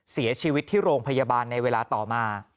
เสียชีวิตที่โรงพยาบาลในเวลาต่อมา